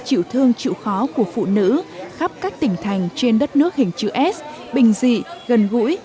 chịu thương chịu khó của phụ nữ khắp các tỉnh thành trên đất nước hình chữ s bình dị gần gũi